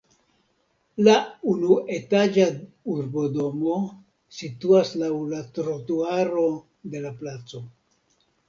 La unuetaĝa urbodomo situas laŭ la trotuaro de la placo.